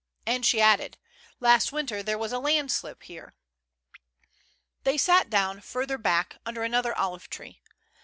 And she added :" Last winter there was a landslip here.'^ They sat down further back, under another olive tree.